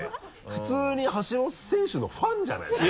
普通に橋本選手のファンじゃないですか？